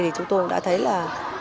thì chúng tôi đã thấy là